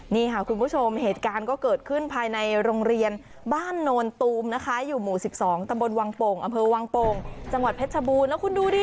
นี่ค่ะคุณผู้ชมเหตุการณ์ก็เกิดขึ้นภายในโรงเรียนบ้านโนนตูมนะคะอยู่หมู่๑๒ตำบลวังโป่งอำเภอวังโป่งจังหวัดเพชรชบูรณ์แล้วคุณดูดิ